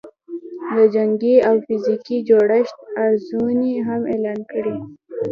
د جنګي او فزیکي جوړښت ارزونې هم اعلان کړې